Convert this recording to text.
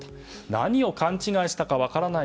何を勘違いしたか分からない。